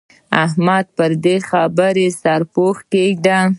احمده! پر دې خبره سرپوښ کېږده.